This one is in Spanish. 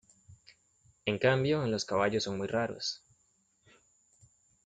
En cambio, en los caballos son muy raros.